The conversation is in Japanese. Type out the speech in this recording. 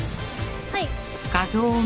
はい。